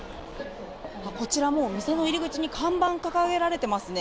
こちらも店の入り口に看板掲げられてますね。